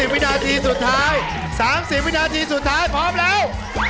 วินาทีสุดท้าย๓๐วินาทีสุดท้ายพร้อมแล้ว